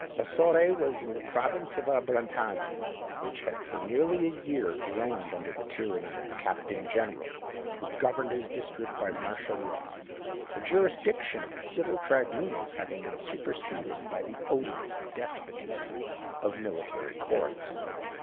Ossore was in the province of Abrantani, which had for nearly a year groaned under the tyranny of the Captain General, who governed his district by martial law, the jurisdiction of the civil tribunals having been superseded by the odious despotism of military courts.